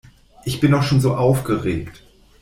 Ich bin doch schon so aufgeregt.